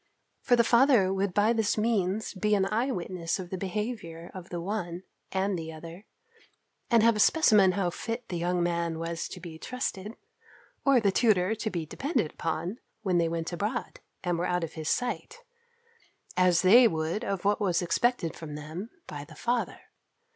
For the father would by this means be an eye witness of the behaviour of the one and the other, and have a specimen how fit the young man was to be trusted, or the tutor to be depended upon, when they went abroad, and were out of his sight: as they would of what was expected from them by the father.